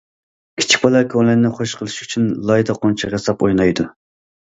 كىچىك بالا كۆڭلىنى خۇش قىلىش ئۈچۈن لايدا قونچاق ياساپ ئوينايدۇ.